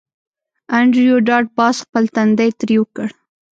انډریو ډاټ باس خپل تندی ترېو کړ